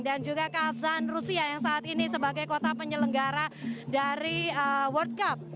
dan juga kazan rusia yang saat ini sebagai kota penyelenggara dari world cup